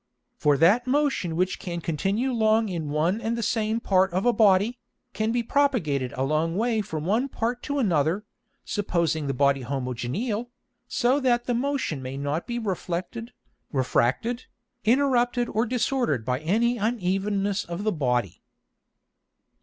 For that Motion which can continue long in one and the same part of a Body, can be propagated a long way from one part to another, supposing the Body homogeneal, so that the Motion may not be reflected, refracted, interrupted or disorder'd by any unevenness of the Body.